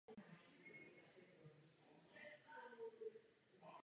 Pracoval jako pilot.